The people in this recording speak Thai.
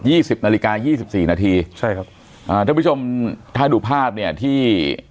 สิบนาฬิกายี่สิบสี่นาทีใช่ครับอ่าท่านผู้ชมถ้าดูภาพเนี่ยที่